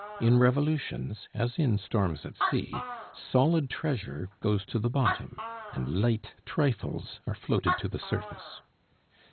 In revolutions, as in storms at sea, solid treasure goes to the bottom, and light trifles are floated to the surface.